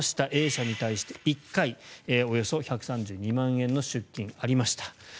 Ａ社に対して１回、およそ１３２万円の出金がありました。